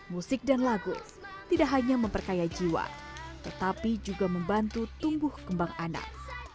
musik dan lagu tidak hanya memperkaya jiwa tetapi juga membantu tumbuh kembang anak